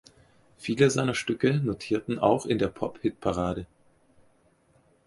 Viele seiner Stücke notierten auch in der Pop-Hitparade.